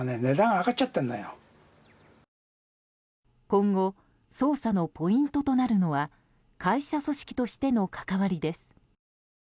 今後捜査のポイントとなるのは会社組織としての関わりです。